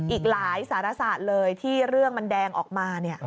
อีกหลายสารศาสตร์เลยที่เรื่องมันแดงออกมา